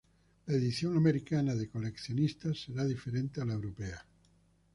La edición americana de coleccionistas será diferente a la europea.